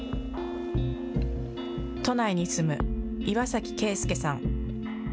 都内に住む岩崎恵介さん。